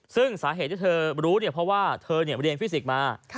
ซึ่งสาเหตุที่เธอรู้เนี่ยเพราะว่าเธอเรียนฟิสิกส์มา